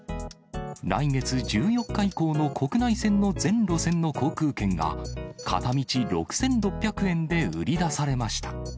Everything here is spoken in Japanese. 来月１４日以降の国内線の全路線の航空券が、片道６６００円で売り出されました。